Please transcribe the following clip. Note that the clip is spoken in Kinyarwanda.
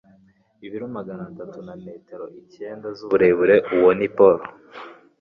Ibiro magana atanu na metero icyenda z'uburebure ... uwo ni Paul.